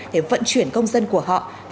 để vận chuyển công dân của họ